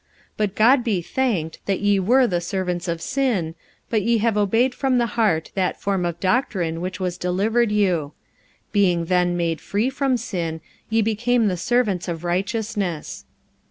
45:006:017 But God be thanked, that ye were the servants of sin, but ye have obeyed from the heart that form of doctrine which was delivered you. 45:006:018 Being then made free from sin, ye became the servants of righteousness.